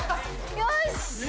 よし！